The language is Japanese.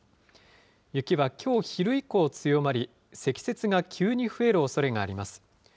雪はきょう昼以降強まり、積雪が急に増えるおそれがあります。